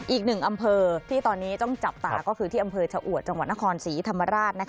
อีกหนึ่งอำเภอที่ตอนนี้ต้องจับตาก็คือที่อำเภอชะอวดจังหวัดนครศรีธรรมราช